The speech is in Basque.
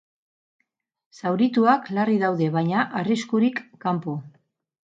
Zaurituak larri daude baina arriskurik kanpo.